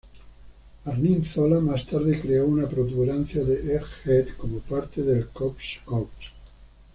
Arnim Zola más tarde creó una protuberancia de Egghead como parte de Corpse Corps.